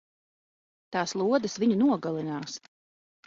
Tās lodes viņu nogalinās!